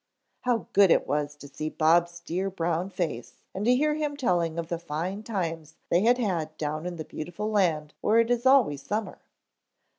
How good it was to see Bob's dear brown face and to hear him telling of the fine times they had had down in the beautiful land where it is always summer.